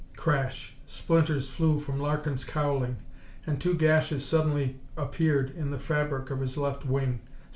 Crash! Splinters flew from Larkin's cowling and two gashes suddenly appeared in the fabric of his left wing.